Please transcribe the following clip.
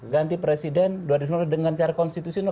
ganti presiden dengan cara konstitusional